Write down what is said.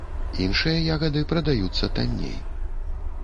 Іншыя ягады прадаюцца танней.